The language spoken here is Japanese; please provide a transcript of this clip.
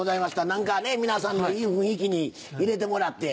何かね皆さんのいい雰囲気に入れてもらって。